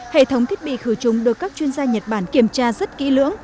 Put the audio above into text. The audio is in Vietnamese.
hệ thống thiết bị khử trùng được các chuyên gia nhật bản kiểm tra rất kỹ lưỡng